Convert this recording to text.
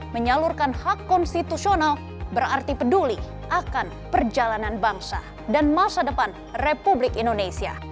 menyalurkan hak konstitusional berarti peduli akan perjalanan bangsa dan masa depan republik indonesia